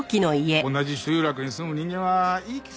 同じ集落に住む人間はいい気せんやろ。